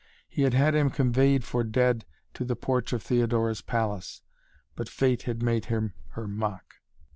He had had him conveyed for dead to the porch of Theodora's palace. But Fate had made him her mock.